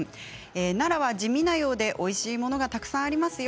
奈良は地味なようでおいしいものがたくさんがありますよ。